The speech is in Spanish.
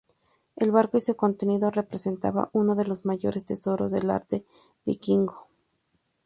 El barco y su contenido representan uno de los mayores tesoros del arte vikingo.